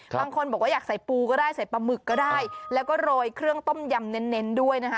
บางคนบอกว่าอยากใส่ปูก็ได้ใส่ปลาหมึกก็ได้แล้วก็โรยเครื่องต้มยำเน้นด้วยนะคะ